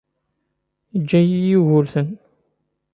Yeǧǧa-yi Yugurten.